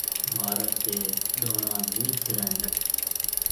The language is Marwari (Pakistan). مارگ تي ڏوڻا نِي کرڻ ڏيو۔